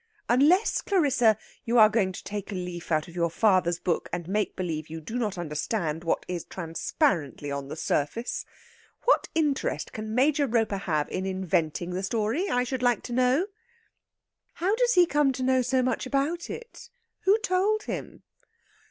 Unless, Clarissa, you are going to take a leaf out of your father's book, and make believe you do not understand what is transparently on the surface. What interest can Major Roper have in inventing the story, I should like to know?" "How does he come to know so much about it? Who told him?"